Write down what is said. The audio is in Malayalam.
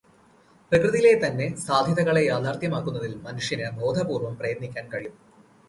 പ്രകൃതിയിലെ തന്നെ സാധ്യതകളെ യാഥാർഥ്യമാക്കുന്നതിൽ മനുഷ്യന് ബോധപൂർവം പ്രയത്നിക്കാൻ കഴിയും.